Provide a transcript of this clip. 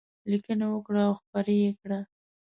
لیکنې وکړه او خپرې یې کړه.